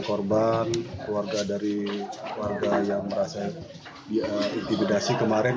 keluarga dari keluarga yang merasa diintimidasi kemarin